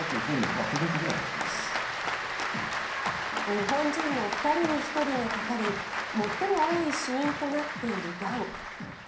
日本人の２人に１人がかかり最も多い死因となっているがん。